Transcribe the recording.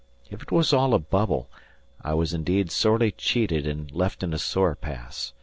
If it was all a bubble, I was indeed sorely cheated and left in a sore pass.